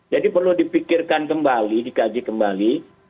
jadi perlu dipikirkan kembali dikaji kembali